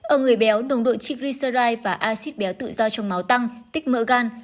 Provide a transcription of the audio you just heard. ở người béo nồng độ trích riserai và acid béo tự do trong máu tăng tích mỡ gan